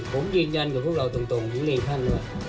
ผมยืนยันกับพวกเราตรงไม่ได้กับท่าน